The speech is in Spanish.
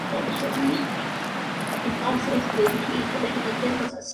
Fue nombrado Carson en honor a la científica estadounidense Rachel Carson.